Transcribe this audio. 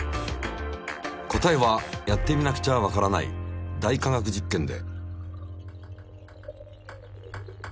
答えはやってみなくちゃわからない「大科学実験」で。